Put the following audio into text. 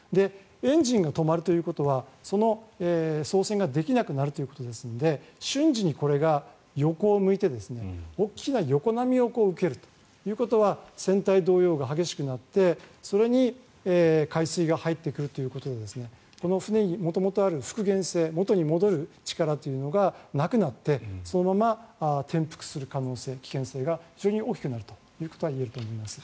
エンジンが止まるということはその操船ができなくなるということですので瞬時にこれが横を向いて大きな横波を受けるということは船体動揺が激しくなってそれに海水が入ってくるということでこの船に元々ある復元性元になる力というのがなくなってそのまま転覆する可能性危険性が非常に大きくなるということは言えると思います。